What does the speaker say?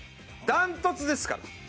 断トツですから。